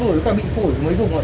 với cả bị phổi mới dùng rồi